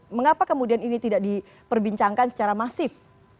mengapa kemudian ini tidak diperbincangkan secara masif